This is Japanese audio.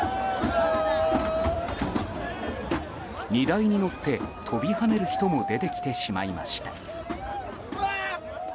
荷台に乗って飛び跳ねる人も出てきてしまいました。